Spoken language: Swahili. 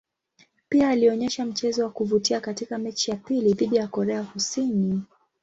Pia alionyesha mchezo wa kuvutia katika mechi ya pili dhidi ya Korea Kusini.